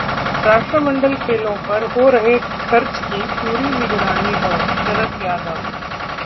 राष्ट्रमंडल खेलों पर हो रहे खर्च की पूरी निगरानी हो: शरद यादव